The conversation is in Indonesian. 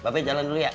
peh jalan dulu ya